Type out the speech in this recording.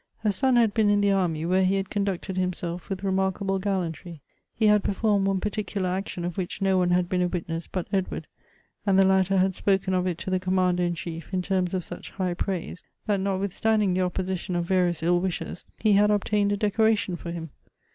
Her son had been in the army, where he had conducted himself with remarkable gallantry. He had pei formed one particular action of which no one had been a witness but Edward ; and the latter had spoken of it to the commander in chief in terms of such high praise, that notwithstanding' the opposition of various ill wishera, he had obtained a decoration for him.